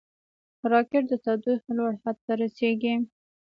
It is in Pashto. راکټ د تودوخې لوړ حد ته رسېږي